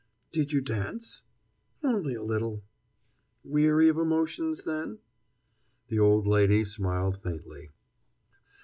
"Did you dance?" "Only a little." "Weary of emotions, then?" The old lady smiled faintly.